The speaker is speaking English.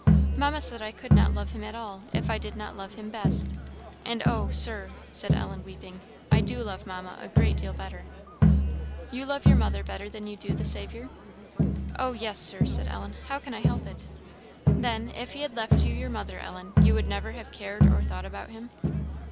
"Mamma said I could not love him at all, if I did not love him best; and, oh! Sir," said Ellen, weeping, "I do love Mamma a great deal better." "You love your mother better than you do the Saviour?" "Oh yes, Sir," said Ellen; "how can I help it?" "Then, if he had left you your mother, Ellen, you would never have cared or thought about him?"